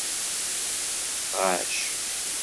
Ɣacc.